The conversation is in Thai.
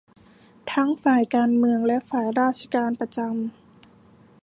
ทั้งฝ่ายการเมืองและฝ่ายราชการประจำ